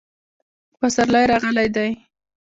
پسرلی راغلی دی